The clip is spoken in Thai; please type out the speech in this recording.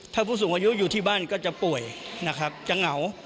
ถ้าผู้สูงอายุอยู่ที่บ้านก็จะป่วยนะครับจะเหงา